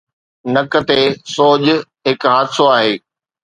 نڪ تي سوڄ هڪ حادثو آهي